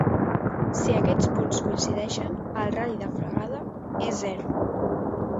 Si aquests punts coincideixen, el radi de fregada es cero.